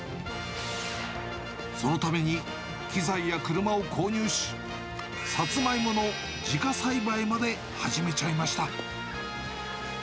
そのために機材や車を購入し、サツマイモの自家栽培まで始めちゃいました。